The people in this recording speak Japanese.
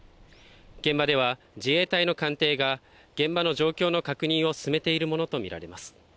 現場では自衛隊の艦艇が現場の状況の確認を進めているものとみられます。